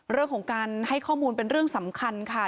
เรื่องของการให้ข้อมูลเป็นเรื่องสำคัญค่ะ